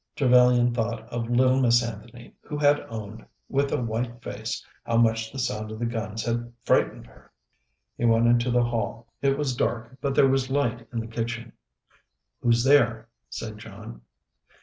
Trevellyan thought of little Miss Anthony, who had owned, with a white face, how much the sound of the guns had frightened her. He went into the hall. It was dark, but there was a light in the kitchen. "Who's there?" said John.